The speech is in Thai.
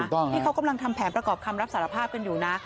ที่เขากำลังทำแผนประกอบคำรับสารภาพกันอยู่นะ